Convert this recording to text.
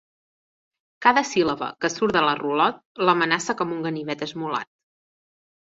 Cada síl·laba que surt de la rulot l'amenaça com un ganivet esmolat.